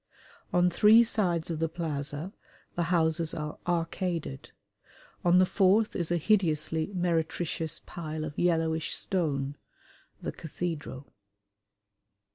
On three sides of the plaza the houses are arcaded; on the fourth is a hideously meretricious pile of yellowish stone the cathedral.